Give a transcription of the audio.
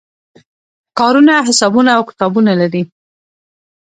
کارونه حسابونه او کتابونه لري.